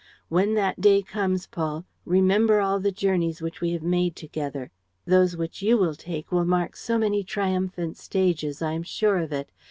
When that day comes, Paul, remember all the journeys which we have made together. Those which you will take will mark so many triumphant stages, I am sure of it.